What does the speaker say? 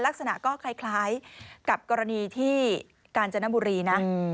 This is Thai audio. ลักษณะก็คล้ายกับกรณีที่กาญจนบุรีนะ